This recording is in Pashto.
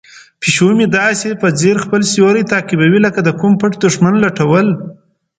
پیشو مې داسې په ځیر خپل سیوری تعقیبوي لکه د کوم پټ دښمن لټول.